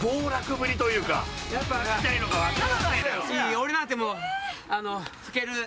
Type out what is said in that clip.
俺なんてもう。